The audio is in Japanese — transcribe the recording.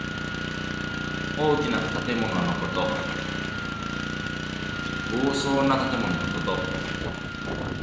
大きな建物のこと。豪壮な建物のこと。